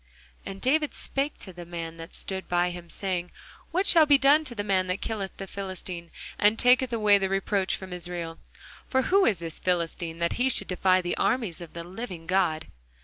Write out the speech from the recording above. And David spake to the men that stood by him, saying, What shall be done to the man that killeth this Philistine, and taketh away the reproach from Israel? For who is this Philistine, that he should defy the armies of the living God?